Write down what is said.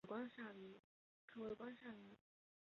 可为观赏鱼。